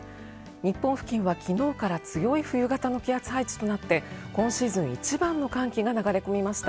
日本付近は昨日から強い冬型の気圧配置となって今シーズン一番の寒気が流れ込みました。